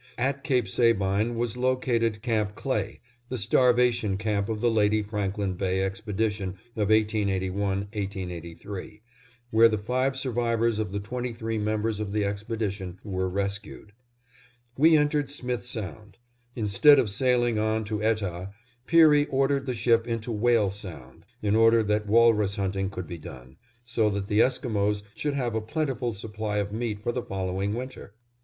At Cape Sabine was located Camp Clay, the starvation camp of the Lady Franklin Bay expedition of 1881 1883, where the five survivors of the twenty three members of the expedition were rescued. We entered Smith Sound. Instead of sailing on to Etah, Peary ordered the ship into Whale Sound, in order that walrus hunting could be done, so that the Esquimos should have a plentiful supply of meat for the following winter.